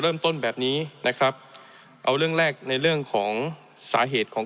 เริ่มต้นแบบนี้นะครับเอาเรื่องแรกในเรื่องของสาเหตุของ